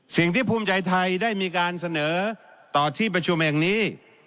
สิ่งที่ภูมิใจไทยได้มีการเสนอต่อที่ประชุมแห่งนี้